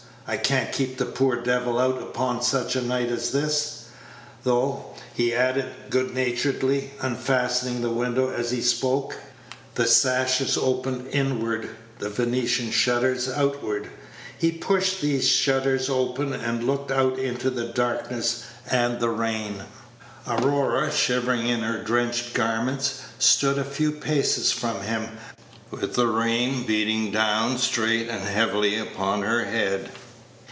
I can't keep the poor devil out upon such a night as this, though," he added, good naturedly, unfastening the window as he spoke. The sashes opened inward, the Venetian shutters outward. He pushed these shutters open, and looked out into the darkness and the rain. Aurora, shivering in her drenched garments, stood a few paces from him, with the rain beating down straight and heavily upon her head.